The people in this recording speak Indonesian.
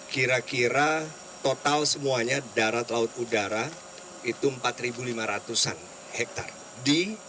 kira kira total semuanya darat laut udara itu empat lima ratus an hektare